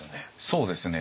そうですね。